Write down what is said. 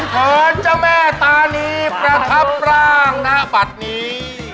เชิญเจ้าแม่ตานีประทับร่างณบัตรนี้